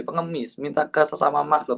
pengemis minta ke sesama makhluk